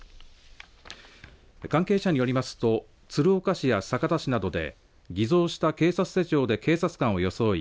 関係者によりますと鶴岡市や酒田市などで偽造した警察手帳で警察官を装い